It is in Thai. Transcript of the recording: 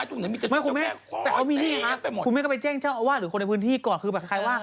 อืมแม่ก็ไปเจ่งเจ้าอุวาดหรือคนในพื้นที่ก่อนคือแปลว่าใครว่า